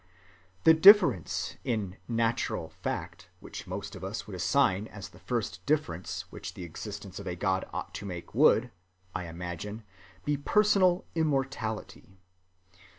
The difference in natural "fact" which most of us would assign as the first difference which the existence of a God ought to make would, I imagine, be personal immortality.